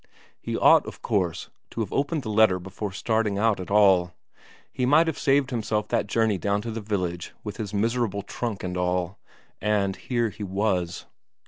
He ought, of course, to have opened the letter before starting out at all; he might have saved himself that journey down to the village with his miserable trunk and all. And here he was....